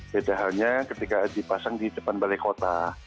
beda halnya ketika dipasang di depan balai kota